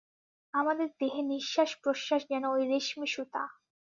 আমাদের দেহে নিঃশ্বাস-প্রশ্বাস যেন ঐ রেশমী সুতা।